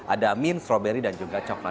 ada mint strawberry dan juga coklat